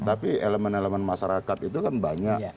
tapi elemen elemen masyarakat itu kan banyak